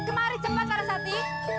kemari cepat lara sati